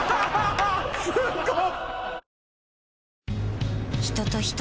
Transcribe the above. すっごい！